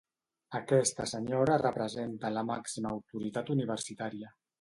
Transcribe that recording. Aquesta senyora representa la màxima autoritat universitària.